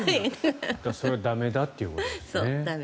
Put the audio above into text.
それは駄目だということですね。